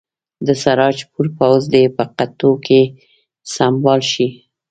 د سراج پور پوځ دې په قطعو سمبال شي.